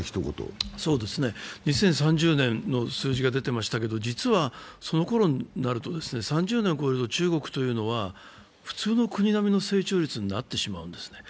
２０３０年の数字が出ていましたけれども、実はそのころになると３０年を超えると中国というのは普通の国並みの成長率になってしまうんです。